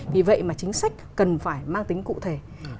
vì vậy mà chính sách cần phải mang tính cụ thể